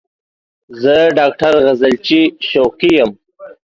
زه ډاکټر غزلچی شوقی یم